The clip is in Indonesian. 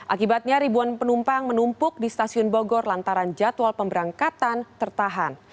akibatnya ribuan penumpang menumpuk di stasiun bogor lantaran jadwal pemberangkatan tertahan